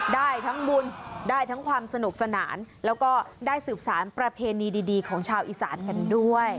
ได้ทั้งบุญได้ทั้งความสนุกสนานแล้วก็ได้สืบสารประเพณีดีของชาวอีสานกันด้วย